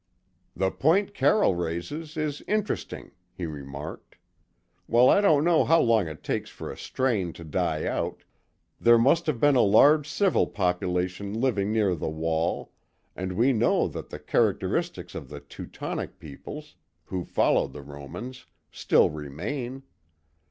"The point Carroll raises is interesting," he remarked. "While I don't know how long it takes for a strain to die out, there must have been a large civil population living near the wall, and we know that the characteristics of the Teutonic peoples, who followed the Romans, still remain."